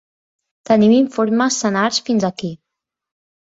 Tenim informes senars fins aquí.